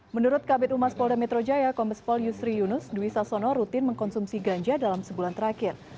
menurut kabit umas polres metro jaya kompes pol yusri yunus dwi sasono rutin mengkonsumsi ganja dalam sebulan terakhir